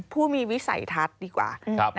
ผู้มีวิสัยทัศน์ดีกว่า